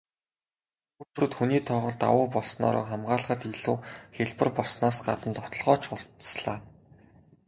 Унгарчууд хүний тоогоор давуу болсноороо хамгаалахад илүү хялбар болсноос гадна довтолгоо ч хурдаслаа.